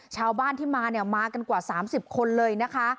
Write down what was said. ชาวบ้านที่มาเนี่ยมากันกว่า๓๐คนเลยนะคะ